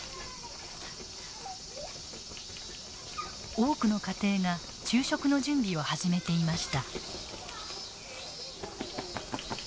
多くの家庭が昼食の準備を始めていました。